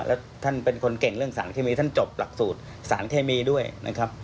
แล้วท่านเป็นคนเก่งเรื่องสารเคมีท่านจบหลักสูตรสารเคมีด้วยนะครับ